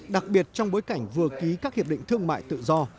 đặc biệt trong bối cảnh vừa ký các hiệp định thương mại tự do